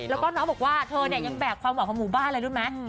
แล้วก็น้องบอกว่าเธอเนี่ยยังแบกความหวังของหมู่บ้านอะไรรู้ไหม